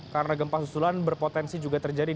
karena gempa susulan berpotensi juga terjadi